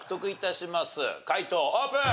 解答オープン。